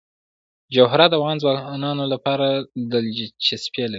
جواهرات د افغان ځوانانو لپاره دلچسپي لري.